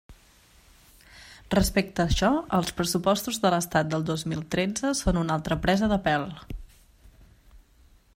Respecte a això, els pressupostos de l'Estat del dos mil tretze són una altra presa de pèl.